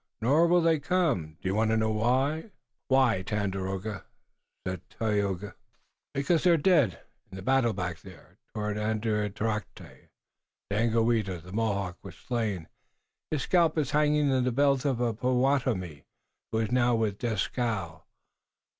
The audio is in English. Nor will they come. Do you want to know why?" "Why, Tandakora?" "Because they are dead. In the battle back there, toward Andiatarocte, Daganoweda, the Mohawk, was slain. His scalp is hanging in the belt of a Pottawattomie who is now with Dieskau.